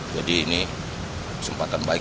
jadi ini sempatan baik